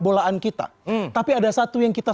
bolaan kita tapi ada satu yang kita